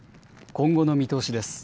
今後の見通しです。